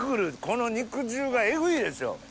この肉汁がエグいですよ。